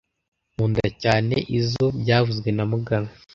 Nkunda cyane izoi byavuzwe na mugabe